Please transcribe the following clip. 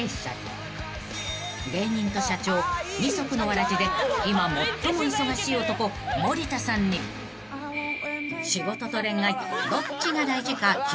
［芸人と社長二足のわらじで今最も忙しい男森田さんに仕事と恋愛どっちが大事か聞いてみると］